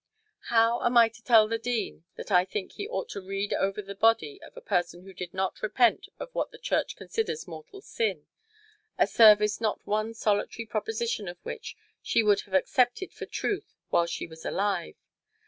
How am I to tell the Dean that I think he ought to read over the body of a person who did not repent of what the Church considers mortal sin, a service not one solitary proposition of which she would have accepted for truth while she was alive?